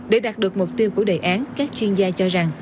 để đạt được mục tiêu của đề án các chuyên gia cho rằng